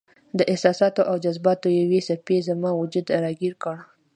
د احساساتو او جذباتو یوې څپې زما وجود راګیر کړ.